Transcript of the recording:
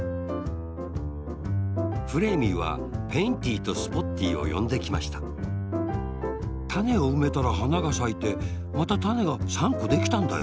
フレーミーはペインティーとスポッティーをよんできましたたねをうめたらはながさいてまたたねが３こできたんだよ。